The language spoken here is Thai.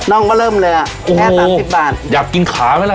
่องก็เริ่มเลยอ่ะแค่สามสิบบาทอยากกินขาไหมล่ะ